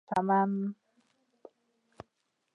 چمن